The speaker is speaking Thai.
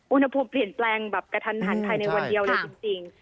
อุณหภูมิเปลี่ยนแปลงแบบกระทันหันภายในวันเดียวเลยจริง